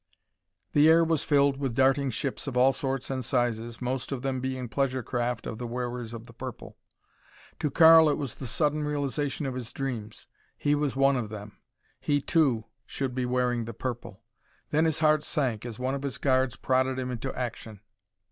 The air was filled with darting ships of all sorts and sizes, most of them being pleasure craft of the wearers of the purple. To Karl it was the sudden realization of his dreams. He was one of them. He, too, should be wearing the purple. Then his heart sank as one of his guards prodded him into action.